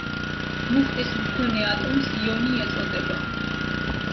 მუხტის მქონე ატომს იონი ეწოდება.